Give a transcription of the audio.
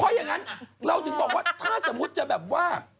เพราะอย่างนั้นเราถึงบอกว่าถ้าสมมุติจะแบบว่า